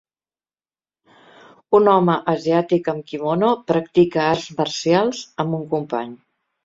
Un home asiàtic amb quimono practica arts marcials amb un company.